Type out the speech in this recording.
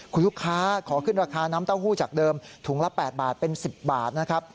คุณลูกค้าขอขึ้นราคาน้ำเต้าหู้จากเดิมถุงละ๘บาทเป็น๑๐บาทนะครับ